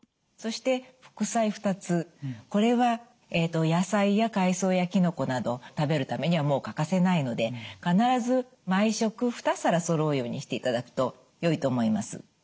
そして副菜２つこれは野菜や海藻やきのこなど食べるためにはもう欠かせないので必ず毎食２皿そろうようにしていただくとよいと思います。